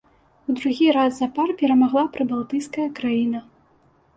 У другі раз запар перамагла прыбалтыйская краіна.